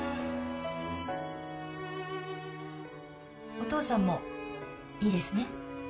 お父さんもいいですね？